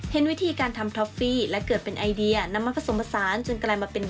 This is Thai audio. เห็นวิธีการทำทอฟฟี่และเกิดเป็นไอเดียน้ำมาผสมผสาน